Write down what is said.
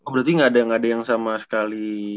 berarti nggak ada yang sama sekali